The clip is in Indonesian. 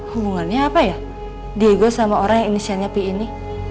hubungannya apa ya diego sama orang yang inisialnya p ini